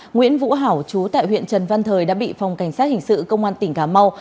nguyễn vũ hảo chú tại huyện trần văn thời đã bị phòng cảnh sát hình sự công an tỉnh cà mau